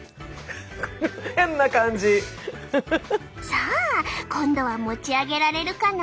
さあ今度は持ち上げられるかな？